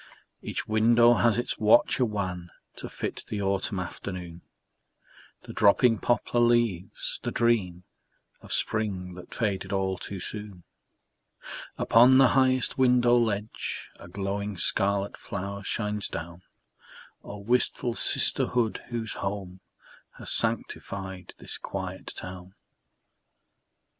Each window has its watcher wan To fit the autumn afternoon, The dropping poplar leaves, the dream Of spring that faded all too soon. Upon the highest window ledge A glowing scarlet flower shines down. Oh, wistful sisterhood, whose home Has sanctified this quiet town!